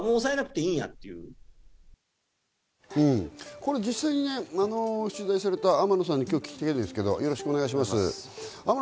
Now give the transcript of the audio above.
これ実際に取材された天野さんに聞きたいんですけれども、よろしくお願いします。